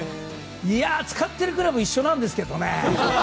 いやあ、使ってるクラブ一緒なんですけどね